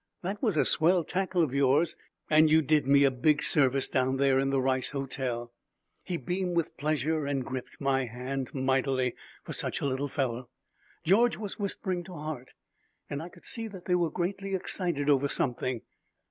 That was a swell tackle of yours, and you did me a big service down there in the Rice Hotel." He beamed with pleasure and gripped my hand mightily, for such a little fellow. George was whispering to Hart, and I could see that they were greatly excited over something.